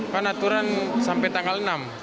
kan aturan sampai tanggal enam